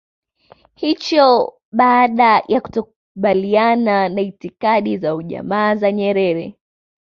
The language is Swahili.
hicho baada ya kutokukubaliana na itikadi za ujamaa za Nyerere